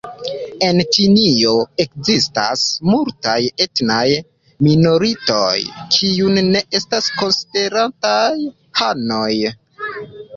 En Ĉinio ekzistas multaj etnaj minoritatoj, kiuj ne estas konsiderataj hanoj.